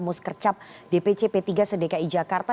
muskercap dpc p tiga sdk i jakarta